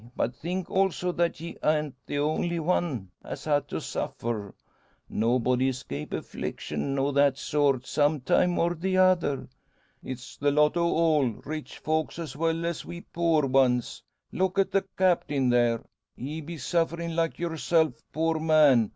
But think also that ye an't the only one as ha' to suffer. Nobody escape affliction o' that sort, some time or the other. It's the lot o' all rich folks as well as we poor ones. Look at the Captain, there! He be sufferin' like yourself. Poor man!